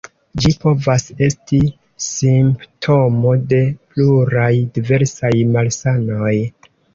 Ĝi povas esti simptomo de pluraj diversaj malsanoj.